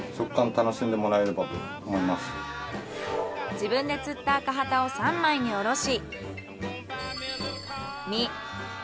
自分で釣ったアカハタを３枚におろし。